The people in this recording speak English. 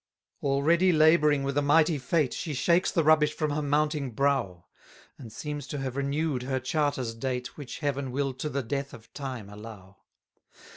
294 Already labouring with a mighty fate, She shakes the rubbish from her mounting brow, And seems to have renew'd her charter's date, Which Heaven will to the death of time allow.